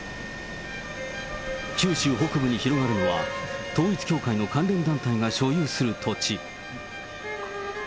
九州北部に広がるのは、統一教会の関連団体が所有する土地。